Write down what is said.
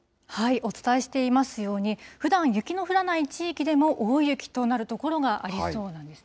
お伝えしていますように、ふだん雪の降らない地域でも大雪となる所がありそうなんですね。